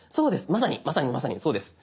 まさにまさにまさにそうです。